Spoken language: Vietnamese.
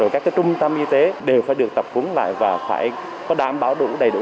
các trung tâm y tế đều phải được tập hứng lại và phải có đảm bảo đủ đầy đủ